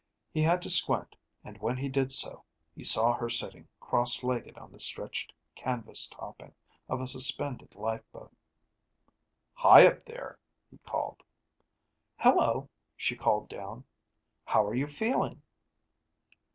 He had to squint, and when he did so, he saw her sitting cross legged on the stretched canvas topping of a suspended lifeboat. "Hi, up there," he called. "Hello," she called down. "How are you feeling?"